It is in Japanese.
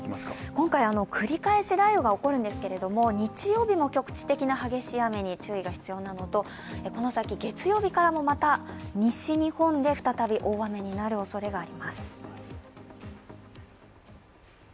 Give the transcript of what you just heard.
今回、繰り返し雷雨が起こるんですけども日曜日も局地的な激しい雨に注意が必要なのとこの先、月曜日からもまた西日本で再び大雨になるおそれがあります。